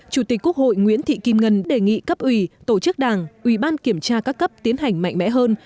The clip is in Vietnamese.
chủ tịch quốc hội nguyễn thị kim ngân đề nghị cấp ủy tổ chức đảng ủy ban kiểm tra các cấp tiến hành mạnh mẽ hơn